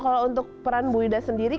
kalau untuk peran bu ida sendiri